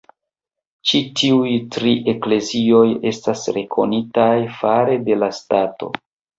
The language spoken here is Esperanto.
Ĉi tiuj tri eklezioj estas rekonitaj fare de la stato.